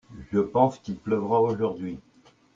Je pense qu'il pleuvra aujourd'hui.